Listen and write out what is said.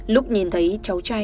lúc nhìn thấy cháu trai